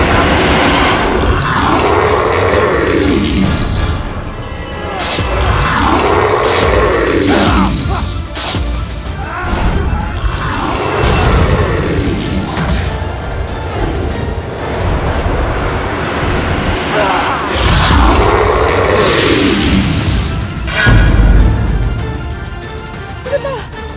ambil manijitzur tuimu balik seperti ini dan berjalan sembunyi sama pen premiersispersixable